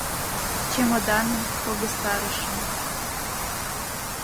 Чемоданым погыстарышым.